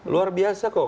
luar biasa kok